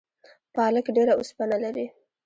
پالک ډیره اوسپنه لري